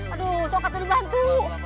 aduh aku bantu